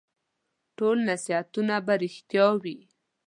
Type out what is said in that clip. ټول نصیحتونه به رېښتیا وي ؟